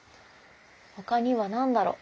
他には何だろう？